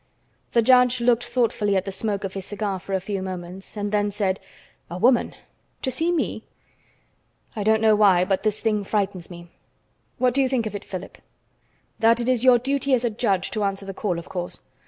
The judge looked thoughtfully at the smoke of his cigar for a few moments, and then said: "A woman! To see me? I don't know why, but this thing frightens me. What do you think of it, Philip?" "That it is your duty as a judge to answer the call, of course.